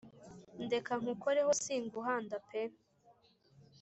Ndeka ngukoreho singuhanda pee